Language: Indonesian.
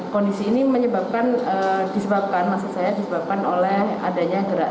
kondisi ini menyebabkan disebabkan masa saya disebabkan oleh adanya gerak